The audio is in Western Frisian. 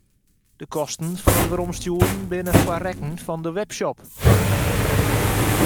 De kosten fan it weromstjoeren binne foar rekken fan de webshop.